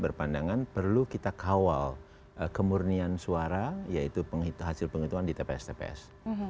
berpandangan perlu kita kawal kemurnian suara yaitu hasil penghitungan di tps tps